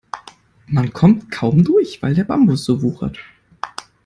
Man kommt kaum durch, weil der Bambus so wuchert.